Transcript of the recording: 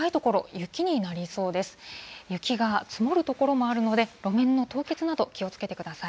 雪が積もる所もあるので、路面の凍結など、気をつけてください。